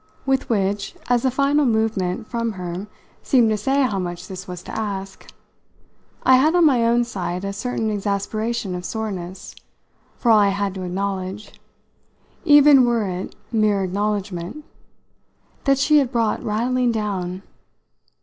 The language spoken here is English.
With which, as a final movement from her seemed to say how much this was to ask, I had on my own side a certain exasperation of soreness for all I had to acknowledge even were it mere acknowledgment that she had brought rattling down.